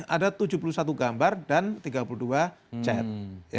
ada tujuh puluh satu gambar dan tiga puluh dua chat